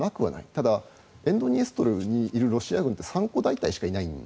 ただ沿ドニエストルにいるロシア軍って３個大隊しかない。